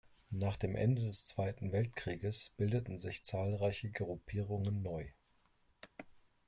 Nach dem Ende des Zweiten Weltkrieges bildeten sich zahlreiche Gruppierungen neu.